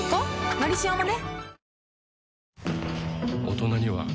「のりしお」もね